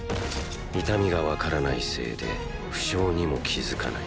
痛みがわからないせいで負傷にも気づかない。